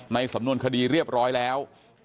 สำนวนคดีเรียบร้อยแล้ว